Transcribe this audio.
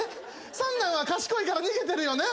三男は賢いから逃げてるよね？